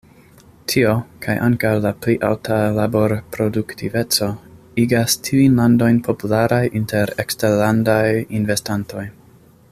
Tio, kaj ankaŭ la pli alta laborproduktiveco, igas tiujn landojn popularaj inter eksterlandaj investantoj.